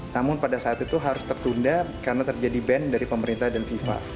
namun pada saat itu harus tertunda karena terjadi band dari pemerintah dan fifa